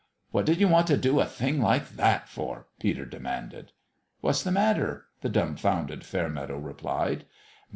" What did you want to do a thing like that for?" Peter demanded. 44 What's the matter ?" the dumbfounded Fair meadow replied.